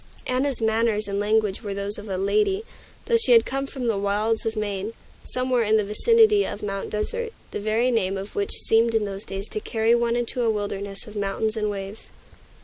Anna's manners and language were those of a lady, though she had come from the wilds of Maine, somewhere in the vicinity of Mount Desert, the very name of which seemed in those days to carry one into a wilderness of mountains and waves.